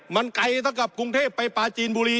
มันไกลเท่ากับกรุงเทพไปปลาจีนบุรี